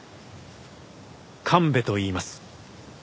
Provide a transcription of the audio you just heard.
神戸といいます。